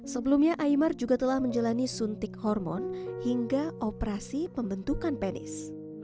sebelumnya imar juga telah menjalani suntik hormon hingga operasi pembentukan penis